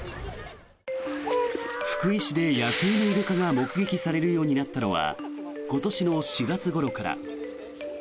福井市で野生のイルカが目撃されるようになったのは今年の４月ごろから。